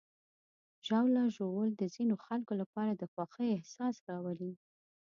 ژاوله ژوول د ځینو خلکو لپاره د خوښۍ احساس راولي.